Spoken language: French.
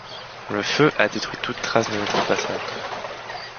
Le feu a détruit toute trace de notre passage.